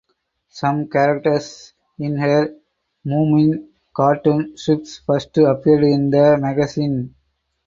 Some characters in her Moomin cartoon strips first appeared in the magazine.